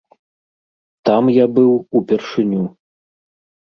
Там я быў упершыню.